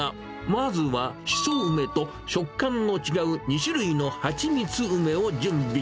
まずは、シソ梅と食感の違う２種類のはちみつ梅を準備。